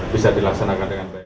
bisa dilaksanakan dengan baik